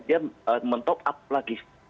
dia mentop up lagi